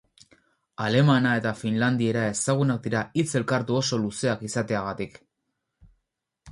Alemana eta finlandiera ezagunak dira hitz-elkartu oso luzeak izateagatik.